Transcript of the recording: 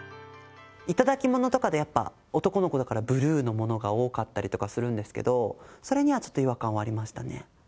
頂き物とかでやっぱ、男の子だからブルーのものが多かったりとかするんですけど、それにはちょっと違和感はありましたね。